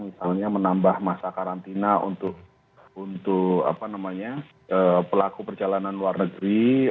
misalnya menambah masa karantina untuk pelaku perjalanan luar negeri